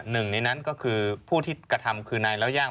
หนึ่งในนั้นก็คือผู้ที่กระทำคือนายเล่าย่าง